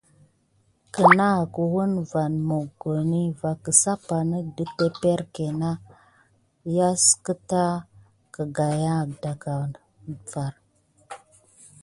Kənahet woun van mogoni va kəsapanek də tepelke na yas kəta a dangay mənani.